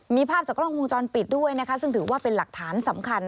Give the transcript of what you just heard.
มีภาพจากกล้องวงจรปิดด้วยนะคะซึ่งถือว่าเป็นหลักฐานสำคัญ